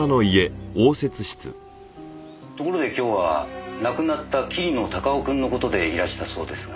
ところで今日は亡くなった桐野孝雄君の事でいらしたそうですが。